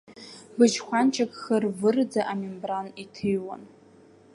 Быжь-хәанчак хыр-вырӡа амембран иҭыҩуан.